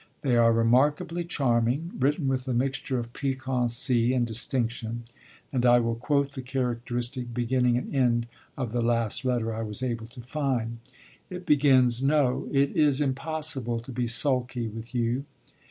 They are remarkably charming, written with a mixture of piquancy and distinction; and I will quote the characteristic beginning and end of the last letter I was able to find. It begins: 'No, it is impossible to be sulky with you!'